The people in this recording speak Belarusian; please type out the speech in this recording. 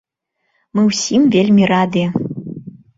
Мы ўсім вельмі радыя.